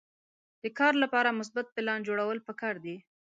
د کار لپاره مثبت پلان جوړول پکار دي.